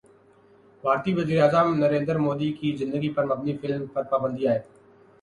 بھارتی وزیراعظم نریندر مودی کی زندگی پر مبنی فلم پر پابندی عائد